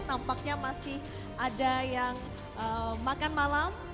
tampaknya masih ada yang makan malam